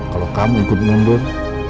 kalau kamu ikut mundur